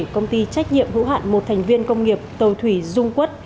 công ty trách nhiệm hữu hạn một thành viên công nghiệp tàu thủy dung quốc